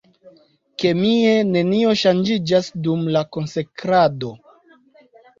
Kemie nenio ŝanĝiĝas dum la konsekrado.